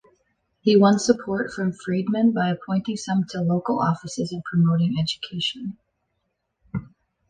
He won support from freedmen by appointing some to local offices and promoting education.